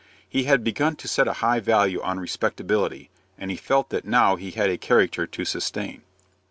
He had begun to set a high value on respectability, and he felt that now he had a character to sustain.